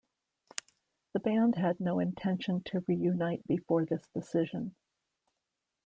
The band had no intention to reunite before this decision.